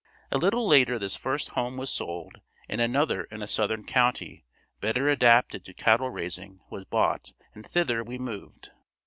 A little later this first home was sold and another in a southern county better adapted to cattle raising was bought and thither we moved.